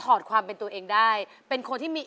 รูปสุดงามสมสังคมเครื่องใครแต่หน้าเสียดายใจทดสกัน